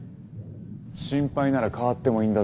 心配なら変わってもいいんだぜ？